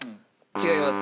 違います。